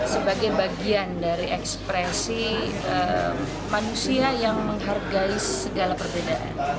sebagai bagian dari ekspresi manusia yang menghargai segala perbedaan